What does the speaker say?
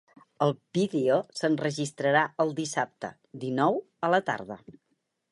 El vídeo, s’enregistrarà el dissabte, dinou, a la tarda.